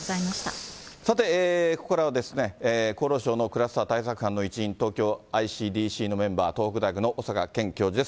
さて、ここからは厚労省のクラスター対策班の一員、東京ｉＣＤＣのメンバー、東北大学の小坂健教授です。